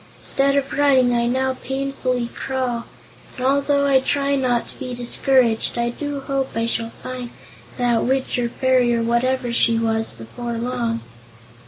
Instead of running, I now painfully crawl, and although I try not to be discouraged I do hope I shall find that witch or fairy, or whatever she was, before long."